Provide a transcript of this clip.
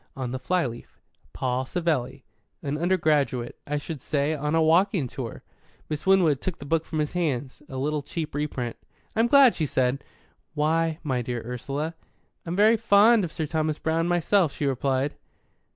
On the flyleaf, 'Paul Savelli.' An undergraduate, I should say, on a walking tour." Miss Winwood took the book from his hands a little cheap reprint. "I'm glad," she said. "Why, my dear Ursula?" "I'm very fond of Sir Thomas Browne, myself," she replied.